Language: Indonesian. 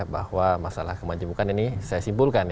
bahwa masalah kemajemukan ini saya simpulkan